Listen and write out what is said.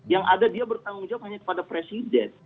yang ada dia bertanggung jawab hanya kepada presiden